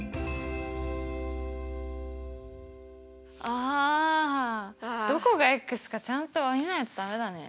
あどこがかちゃんと見ないと駄目だね。